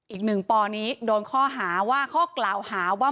อีกหนึ่งปอนี้โดนข้อหาว่า